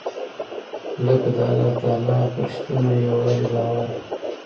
لکه د الله تعالٰی پر شتون او يووالي باور .